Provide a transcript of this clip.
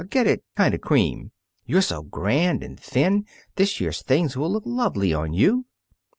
Get it kind of cream. You're so grand and thin, this year's things will look lovely on you."